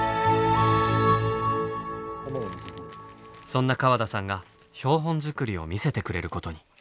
そんな川田さんが標本作りを見せてくれることに。